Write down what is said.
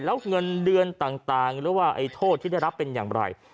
แล้วเงินเดือนต่างหรือว่าไอ้โทษที่ได้รับเป็นอย่างไร